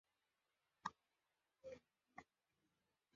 Each front leg has three terminal tubercles instead of digits.